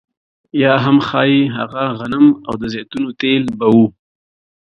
یا هم ښايي هغه غنم او د زیتونو تېل به وو